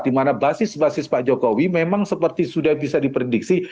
di mana basis basis pak jokowi memang seperti sudah bisa diprediksi